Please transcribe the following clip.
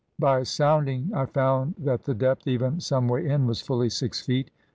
By sounding I found that the depth, even some way in, was fully six feet.